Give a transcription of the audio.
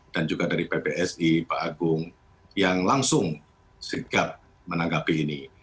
dan juga dari pbsi pak agung yang langsung sikap menanggapi ini